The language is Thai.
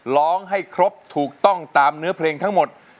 ร้องให้ครบถูกต้องตามเนื้อเพลงทั้งหมด